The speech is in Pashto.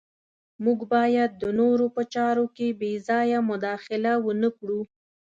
موږ باید د نورو په چارو کې بې ځایه مداخله ونه کړو.